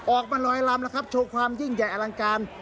ออกมาลอยลำแล้วครับโชว์ความยิ่งใหญ่อลังการ